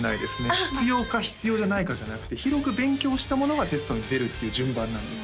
必要か必要じゃないかじゃなくて広く勉強したものがテストに出るっていう順番なんですよ